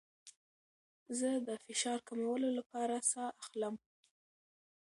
زه د فشار کمولو لپاره ساه اخلم.